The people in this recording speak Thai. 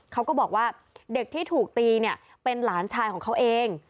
เขาก็บอกว่าเด็กที่ถูกตีเนี่ยเป็นหลานชายของเขาเอง